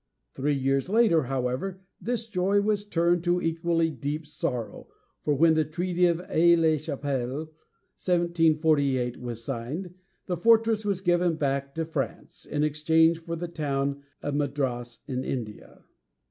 Three years later, however, this joy was turned to equally deep sorrow, for when the treaty of Aix la Cha pelle´ (1748) was signed, the fortress was given back to France, in exchange for the town of Ma dras´ in India.